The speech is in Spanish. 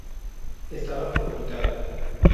Estaba fortificada.